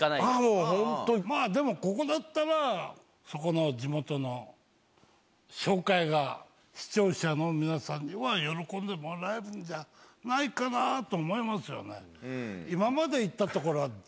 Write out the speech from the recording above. まぁでもここだったらそこの地元の紹介が視聴者の皆さんには喜んでもらえるんじゃないかなと思いますよね。